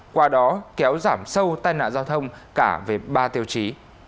qua đó kéo giảm sâu tai nạn giao thông cả về ba tiêu chí